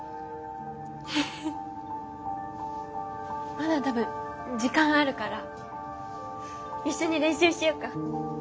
まだ多分時間あるから一緒に練習しようか。